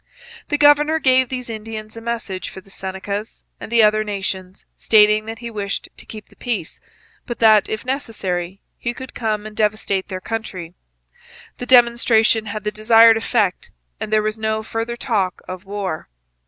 The governor gave these Indians a message for the Senecas and the other nations, stating that he wished to keep the peace, but that, if necessary, he could come and devastate their country. The demonstration had the desired effect and there was no further talk of war.